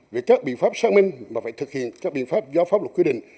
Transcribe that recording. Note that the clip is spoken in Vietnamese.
về các biện pháp xác minh mà phải thực hiện các biện pháp do pháp luật quy định